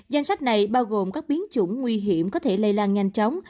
danh sách này bao gồm các biến chủng nguy hiểm có thể lây lan nhanh chóng